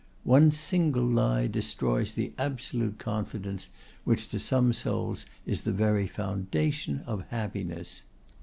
One single lie destroys the absolute confidence which to some souls is the very foundation of happiness.